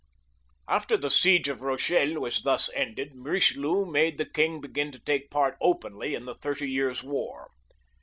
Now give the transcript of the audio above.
After the siege of Bochelle was thus ended, Bichelieu madS' the king begin to take part openly in the Thirty Years* War.